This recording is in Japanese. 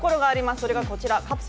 それがこちらです。